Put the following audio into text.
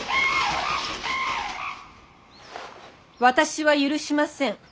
私は許しません。